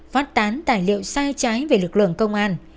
phát tán tài liệu sai trái về lực lượng công an